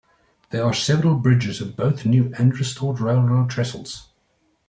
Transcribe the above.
There are several bridges and both new and restored railroad trestles.